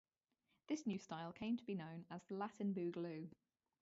This new style came to be known as the Latin boogaloo.